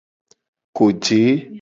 Koje.